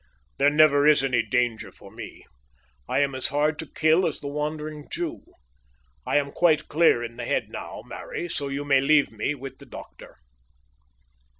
"There never is any danger for me. I am as hard to kill as the Wandering Jew. I am quite clear in the head now, Mary; so you may leave me with the doctor."